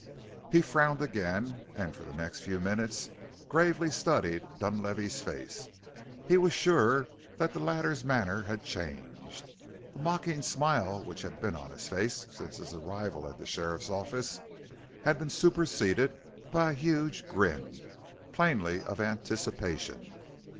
He frowned again, and for the next few minutes gravely studied Dunlavey's face. He was sure that the latter's manner had changed. The mocking smile which had been on his face since his arrival at the sheriff's office had been superseded by a huge grin plainly of anticipation.